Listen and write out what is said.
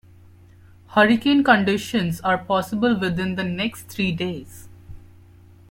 Hurricane conditions are possible within the next three days.